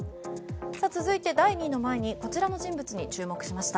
続いて第２位の前にこちらの人物に注目しました。